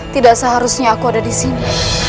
tidak seharusnya aku ada disini